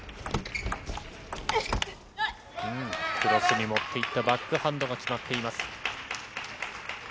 クロスに持っていったバックハンドが決まっています。